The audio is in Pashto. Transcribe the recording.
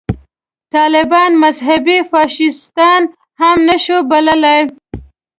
طالبان مذهبي فاشیستان هم نه شو بللای.